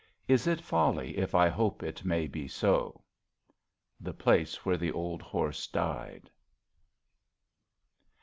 Is it folly if I hope it may be so? — TJie Place Where the Old Horse Died.